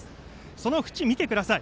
そのふち、見てください。